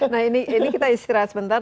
nah ini kita istirahat sebentar